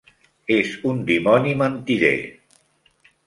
És un dimoni mentider!